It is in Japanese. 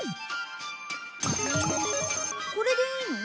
これでいいの？